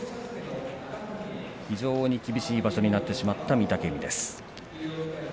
非常に厳しい場所になった御嶽海です。